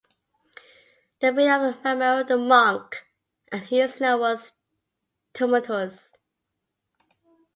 The reign of Ramiro the Monk, as he is known, was tumultuous.